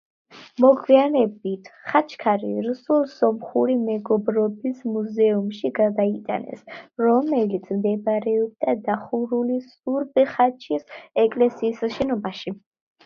მოგვიანებით ხაჩქარი რუსულ-სომხური მეგობრობის მუზეუმში გადაიტანეს, რომელიც მდებარეობდა დახურული სურბ-ხაჩის ეკლესიის შენობაში.